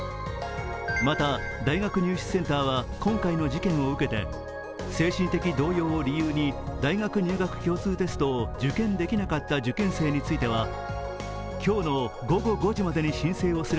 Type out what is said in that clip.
また大学入試センターは今回の事件を受けて、精神的動揺を理由に大学入学共通テストを受験できなかった受験生については